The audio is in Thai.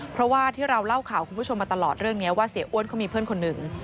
เพราะว่าที่เราเล่าข่าวคุณผู้ชมมาตลอดเรื่องนี้ว่าเสียอ้วนเขามีเพื่อนคนหนึ่ง